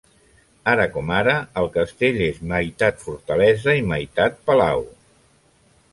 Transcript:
Ara com ara, el castell és meitat fortalesa i meitat palau.